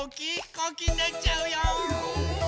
こうきになっちゃうよ！